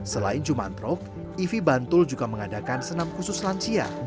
selain jumantrok ivi bantul juga mengadakan senam khusus lansia